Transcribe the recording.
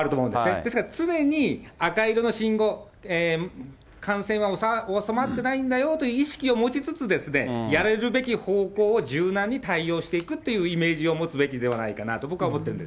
ですから常に赤色の信号、感染は収まってないんだよという意識を持ちつつ、やれるべき方向を柔軟に対応していくっていうイメージを持つべきではないかなと、僕は思ってるんです。